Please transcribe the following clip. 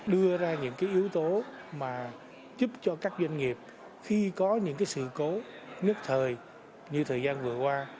đưa ra những yếu tố mà giúp cho các doanh nghiệp khi có những sự cố nước thời như thời gian vừa qua